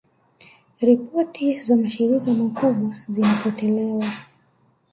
Ripoti za mashirika makubwa zinapotolewa